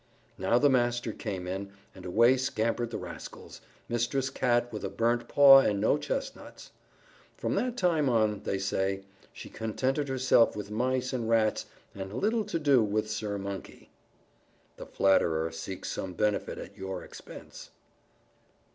Now the master came in, and away scampered the rascals, Mistress Cat with a burnt paw and no chestnuts. From that time on, they say, she contented herself with mice and rats and had little to do with Sir Monkey. _The flatterer seeks some benefit at your expense.